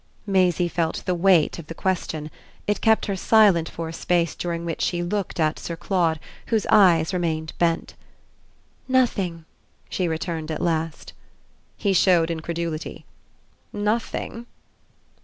Maisie felt the weight of the question; it kept her silent for a space during which she looked at Sir Claude, whose eyes remained bent. "Nothing," she returned at last. He showed incredulity. "Nothing?"